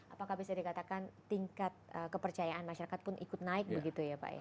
apakah bisa dikatakan tingkat kepercayaan masyarakat pun ikut naik begitu ya pak ya